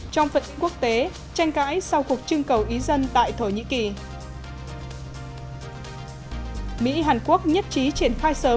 trong phận quốc tế tranh cãi sau cuộc trưng cầu ý dân tại thổ nhĩ kỳ